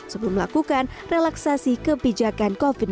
sebelum melakukan relaksasi kebijakan covid sembilan belas